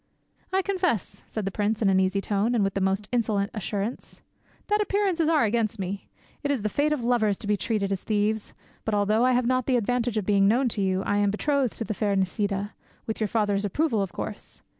"I confess," said the prince, in an easy tone and with the most insolent assurance, "that appearances are against me. It is the fate of lovers to be treated as thieves. But although I have not the advantage of being known to you, I am betrothed to the fair Nisida—with your father's approval, of course.